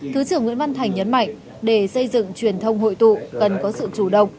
thứ trưởng nguyễn văn thành nhấn mạnh để xây dựng truyền thông hội tụ cần có sự chủ động